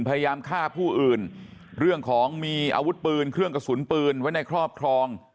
พยายามฆ่าผู้อื่นเรื่องของมีอาวุธปืนเครื่องกระสุนปืนไว้ในครอบครอง